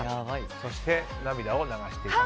そして涙を流していたと。